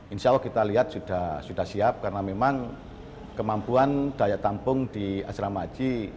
insya allah kita lihat sudah siap karena memang kemampuan daya tampung di asrama haji